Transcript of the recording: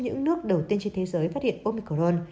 những nước đầu tiên trên thế giới phát hiện